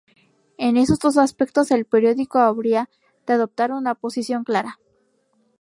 En esos dos aspectos, el periódico habría de adoptar una posición clara.